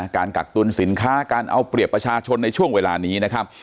การกักตุนสินค้าการเอาเปรียบประชาชนในช่วงเวลานี้